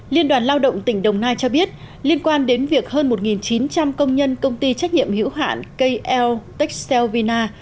liên đoàn lao động tỉnh đồng nai cho biết liên quan đến việc hơn một chín trăm linh công nhân công ty trách nhiệm hữu hạn kl techel vina